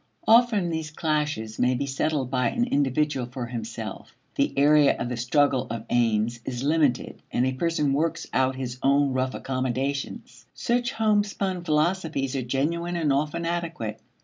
Often these clashes may be settled by an individual for himself; the area of the struggle of aims is limited and a person works out his own rough accommodations. Such homespun philosophies are genuine and often adequate.